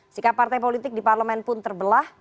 sikap partai politik di parlemen pun terbelah